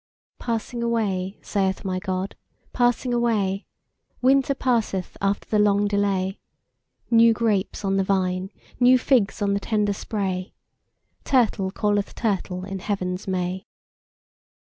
Passing away, saith my God, passing away: Winter passeth after the long delay: New grapes on the vine, new figs on the tender spray, Turtle calleth turtle in Heaven's May.